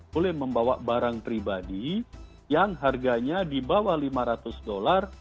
boleh membawa barang pribadi yang harganya di bawah lima ratus dolar